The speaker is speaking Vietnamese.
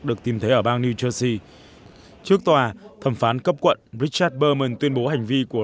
được tìm thấy ở bang new jersey trước tòa thẩm phán cấp quận richard berman tuyên bố hành vi của